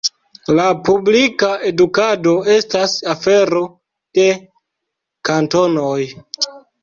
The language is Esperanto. La publika edukado estas afero de kantonoj.